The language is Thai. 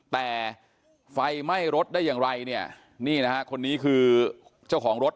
แต่ไฟไหม้รถได้อย่างไรเนี่ยนี่นะฮะคนนี้คือเจ้าของรถ